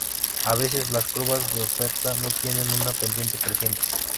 A veces, las curvas de oferta no tienen una pendiente creciente.